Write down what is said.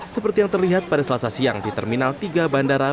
seperti yang terlihat pada selasa siang di terminal tiga bandara